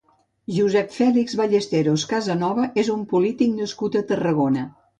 Josep Fèlix Ballesteros Casanova és un polític nascut a Tarragona.